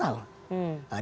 tidak kurang dari seribu orang